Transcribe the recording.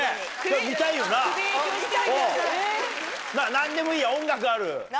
何でもいいや音楽ある？